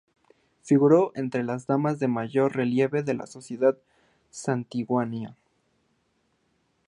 Figuró entre las damas de mayor relieve de la sociedad santiaguina.